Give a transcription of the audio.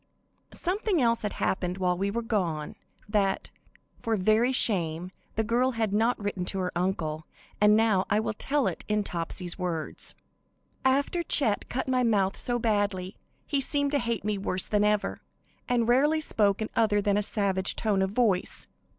Something else had happened while we were gone, that, for very shame, the girl had not written to her uncle, and now I will tell it in Topsy's words: "After Chet cut my mouth so badly, he seemed to hate me worse than ever, and rarely spoke in other than a savage tone of voice.